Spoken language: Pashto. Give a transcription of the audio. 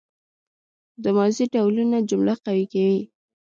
د ماضي ډولونه جمله قوي کوي.